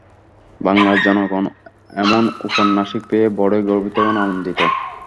বাংলার জনগণ এমন ঔপন্যাসিক পেয়ে বড়ই গর্বিত এবং আনন্দিত।